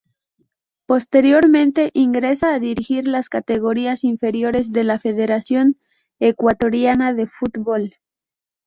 Posteriormente ingresa a dirigir las categorías inferiores de la Federación Ecuatoriana de Fútbol.